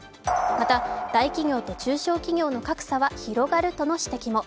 また、大企業と中小企業の格差は広がるとの指摘も。